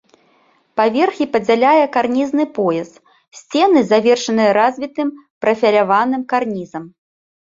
Паверхі падзяляе карнізны пояс, сцены завершаны развітым прафіляваным карнізам.